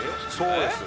そうです。